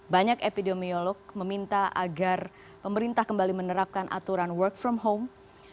banyak epidemiolog meminta agar pemerintah kembali menerapkan aturan work from home